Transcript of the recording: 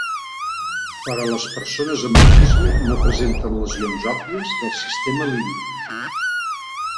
Però les persones amb autisme no presenten lesions òbvies del sistema límbic.